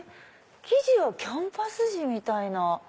生地はキャンバス地みたいな。